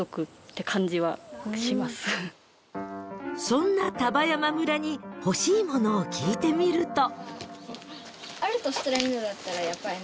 ［そんな丹波山村に欲しいものを聞いてみると］